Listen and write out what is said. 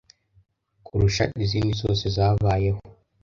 kurusha izindi zose zabayeho